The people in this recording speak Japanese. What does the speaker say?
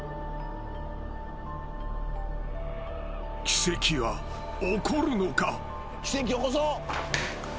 ［奇跡は起こるのか？］